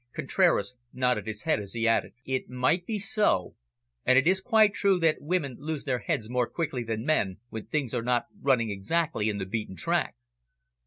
Contraras nodded his head, as he added, "It might be so, and it is quite true that women lose their heads more quickly than men, when things are not running exactly in the beaten track."